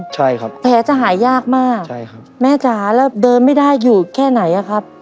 ใช่ครับแผลจะหายากมากใช่ครับแม่จ๋าแล้วเดินไม่ได้อยู่แค่ไหนอ่ะครับ